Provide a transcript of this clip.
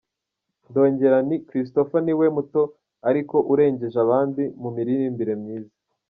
Ndongera nti ’Christopher niwe muto ariko urengeje abandi mu miririmbire myiza’.